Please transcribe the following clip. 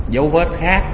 dấu vết khác